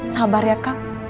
sabar ya kang